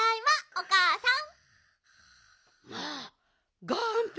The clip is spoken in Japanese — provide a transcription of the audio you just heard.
おかあさん。